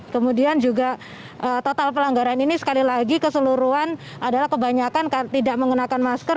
kemudian juga total pelanggaran ini sekali lagi keseluruhan adalah kebanyakan tidak menggunakan masker